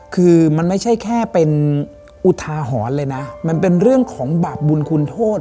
คือมันไม่ใช่แค่เป็นอุทาหรณ์เลยนะมันเป็นเรื่องของบาปบุญคุณโทษ